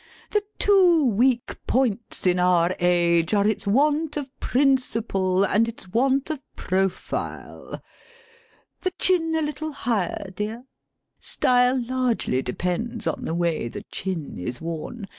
The two weak points in our age are its want of principle and its want of profile. The chin a little higher, dear. Style largely depends on the way the chin is worn.